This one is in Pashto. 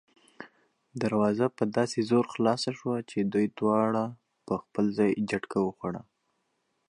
دروازه په داسې زور خلاصه شوه چې دوی دواړه په خپل ځای جټکه وخوړه.